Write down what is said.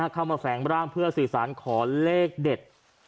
แฝงร่างเพื่อสื่อสารขอเลขเด็ด